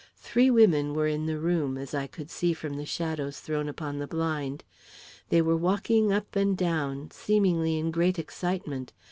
Three women were in the room, as I could see from the shadows thrown upon the blind. They were walking up and down, seemingly in great excitement.